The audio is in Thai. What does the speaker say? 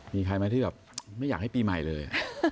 มีใครมาที่ไม่อยากให้ปีใหม่เลย